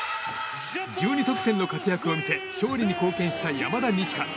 １２得点の活躍を見せ勝利に貢献した山田二千華。